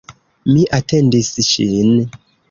Mi atendis ŝin.